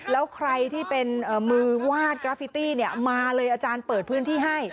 แล้วใครที่เป็นมือวาดกราฟิตี้มาเลยอาจารย์เปิดพื้นที่ให้